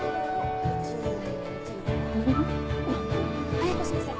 綾子先生。